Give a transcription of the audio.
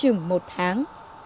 chừng một tháng